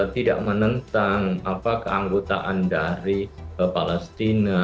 tidak menentang keanggotaan dari palestina